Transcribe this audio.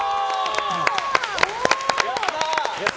やったー！